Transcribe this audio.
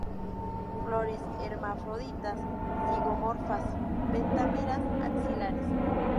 Flores hermafroditas, zigomorfas, pentámeras, axilares.